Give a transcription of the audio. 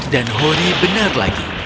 dan hori benar lagi